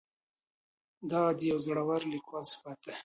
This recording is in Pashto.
دا د یوه زړور لیکوال صفت دی.